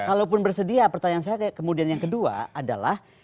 kalaupun bersedia pertanyaan saya kemudian yang kedua adalah